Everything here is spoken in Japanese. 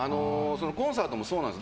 コンサートもそうなんです。